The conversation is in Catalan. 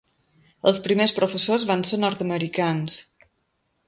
Els primers professors van ser nord-americans.